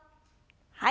はい。